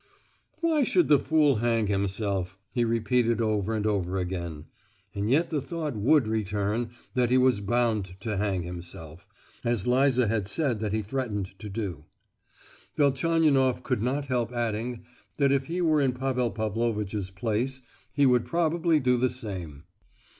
"Why should the fool hang himself?" he repeated over and over again; yet the thought would return that he was bound to hang himself, as Liza had said that he threatened to do. Velchaninoff could not help adding that if he were in Pavel Pavlovitch's place he would probably do the same.